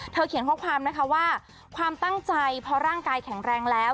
เขียนข้อความนะคะว่าความตั้งใจพอร่างกายแข็งแรงแล้ว